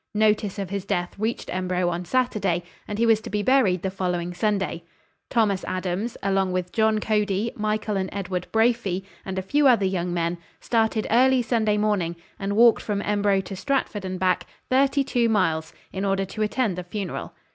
Notice of his death reached Embro on Saturday, and he was to be buried the following Sunday. Thomas Adams, along with John Cody, Michael and Edward Brophy, and a few other young men, started early Sunday morning and walked from Embro to Stratford and back, thirty two miles, in order to attend the funeral.